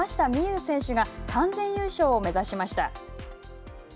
有選手が完全優勝を目指しました。